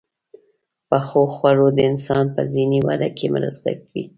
• پخو خوړو د انسان په ذهني وده کې مرسته وکړه.